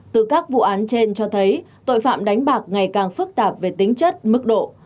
từ các vụ án trên cho thấy tội phạm đánh bạc ngày càng phức tạp về tính chất mức độ